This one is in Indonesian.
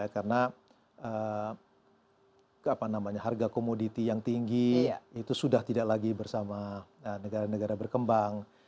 karena harga komoditi yang tinggi itu sudah tidak lagi bersama negara negara berkembang